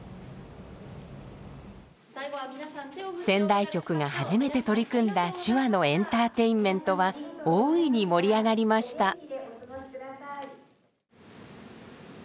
仙台局が初めて取り組んだ手話のエンターテインメントは大いに盛り上がりました。